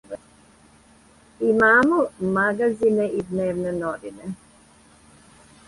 Имамо магазине и дневне новине.